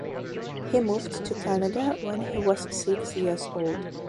He moved to Canada when he was six years old.